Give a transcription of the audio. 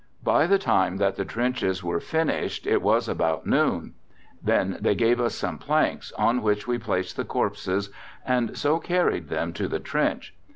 By the time that the trenches were finished it was about noon. They then gave us some planks, on which we placed the corpses and so carried them to the trench.